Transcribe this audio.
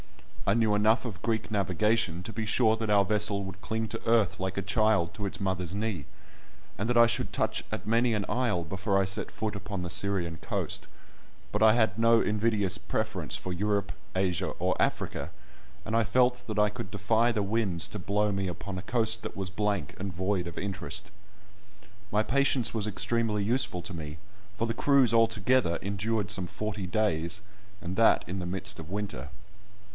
I knew enough of Greek navigation to be sure that our vessel would cling to earth like a child to its mother's knee, and that I should touch at many an isle before I set foot upon the Syrian coast; but I had no invidious preference for Europe, Asia, or Africa, and I felt that I could defy the winds to blow me upon a coast that was blank and void of interest. My patience was extremely useful to me, for the cruise altogether endured some forty days, and that in the midst of winter.